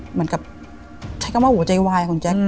เหมือนกับใช้คำว่าหัวใจวายของแจ๊ค